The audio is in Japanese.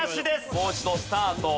もう一度スタート。